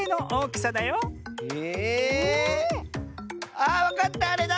ああっわかったあれだ！